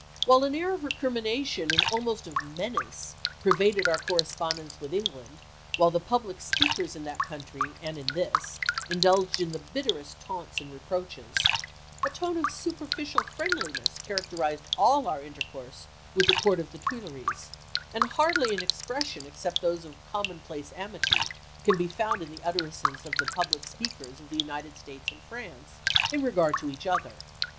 While an air of recrimination and almost of menace pervaded our correspondence with Eng land, while the public speakers in that country and in this indulged in the bitterest taunts and re proaches, a tone of superficial friendliness charac terized all our intercourse with the court of the Tuileries, and hardly an expression except those of commonplace amity can be found in the utter ances of the public speakers of the United States and France in regard to each other.